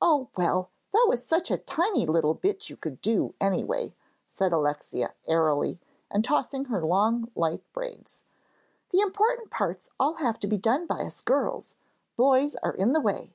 "Oh, well, that was such a tiny little bit you could do, anyway," said Alexia, airily, and tossing her long light braids. "The important parts all have to be done by us girls. Boys are in the way!"